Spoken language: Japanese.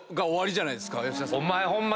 お前ホンマ。